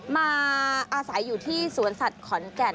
มาอาศัยอยู่ที่สวนสัตว์ขอนแก่น